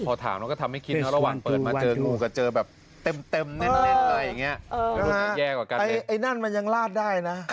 หลังงูหลุดมาตามท่อน้ำบ่อย